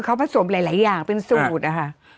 เขาผสมหลายอย่างเป็นสูตรอะค่ะ